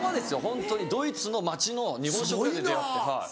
ホントにドイツの街の日本食屋で出合って。